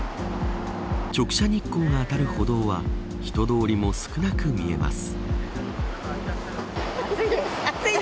直射日光が当たる歩道は人通りも少なく見えます。